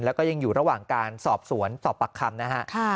แล้วก็ยังอยู่ระหว่างการสอบสวนสอบปากคำนะฮะ